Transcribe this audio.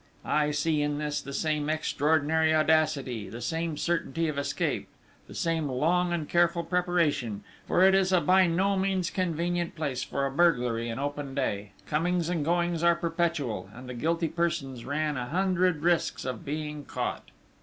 "I see in this the same extraordinary audacity, the same certainty of escape, the same long and careful preparation, for it is a by no means convenient place for a burglary in open day: comings and goings are perpetual, and the guilty persons ran a hundred risks of being caught...."